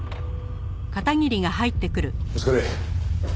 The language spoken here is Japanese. お疲れ。